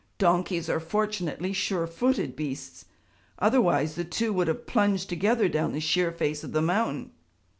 Donkeys are fortunately sure footed beasts; otherwise the two would have plunged together down the sheer face of the mountain.